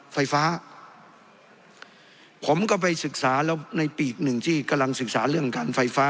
ไฟฟ้าผมก็ไปศึกษาแล้วในปีกหนึ่งที่กำลังศึกษาเรื่องการไฟฟ้า